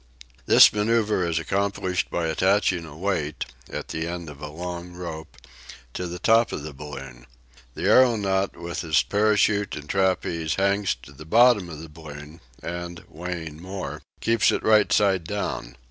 This maneuver is accomplished by attaching a weight, at the end of a long rope, to the top of the balloon. The aeronaut, with his parachute and trapeze, hangs to the bottom of the balloon, and, weighing more, keeps it right side down.